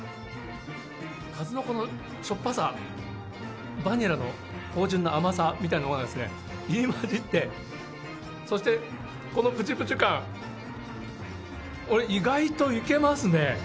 かずのこのしょっぱさ、バニラの芳じゅんな甘さみたいなものが入りまじって、そしてこのぷちぷち感、意外といけますね。